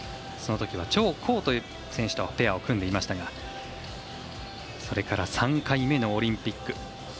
そのときは張昊という選手とペアを組んでいましたがそれから３回目のオリンピック。